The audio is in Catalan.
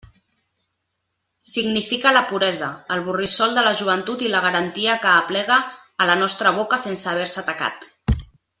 Significa la puresa, el borrissol de la joventut i la garantia que aplega a la nostra boca sense haver-se tacat.